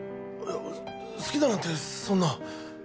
あっ好きだなんてそんな。